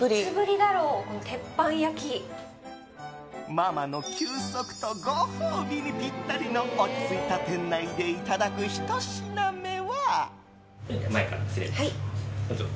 ママの休息とご褒美にぴったりの落ち着いた店内でいただく１品目は？